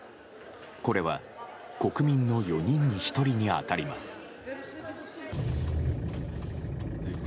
これは国民の４人に１人に当たります。